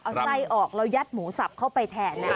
เอาไส้ออกแล้วยัดหมูสับเข้าไปแทนนะคะ